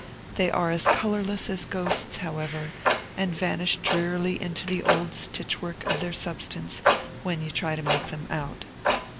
They are as colorless as ghosts, however, and vanish drearily into the old stitch work of their substance when you try to make them out.